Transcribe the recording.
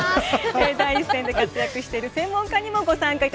第一線で活躍している専門家にもご参加いただきます。